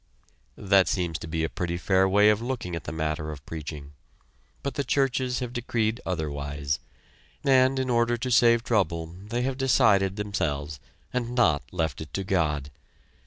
That seems to be a pretty fair way of looking at the matter of preaching; but the churches have decreed otherwise, and in order to save trouble they have decided themselves and not left it to God.